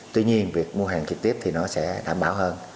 tuy nhiên việc mua hàng trực tiếp thì nó sẽ đảm bảo hơn